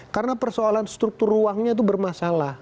karena persoalan struktur ruangnya itu bermasalah